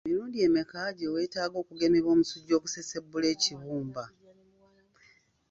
Mirundi emeka gye weetaaga okugemebwa omusujja ogusesebbula ekibumba?